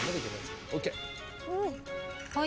はい。